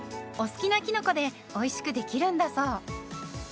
お好きなきのこでおいしくできるんだそう。